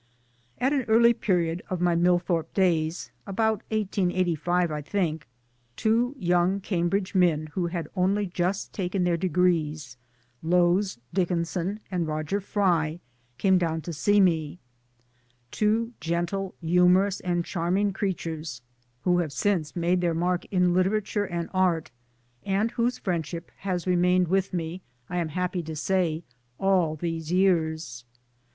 At an early period of my Millthorpe days '(about 1885 I think) two young Cambridge men who had only just taken their degrees, Lowes Dickinson and Roger Fry, came down to see me two gentle, humorous and charming; creatures, who have since LONDON AND LECTURES 257, made their mark in Literature and Art, and whose friendship has remained with me, I am happy to say, all these years.